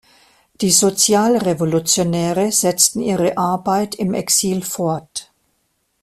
Die Sozialrevolutionäre setzten ihre Arbeit im Exil fort.